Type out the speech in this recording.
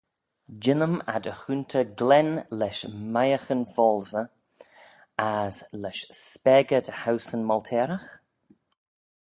Jean-ym ad y choontey glen lesh meihaghyn foalsey, as lesh spagey dy howseyn molteyragh?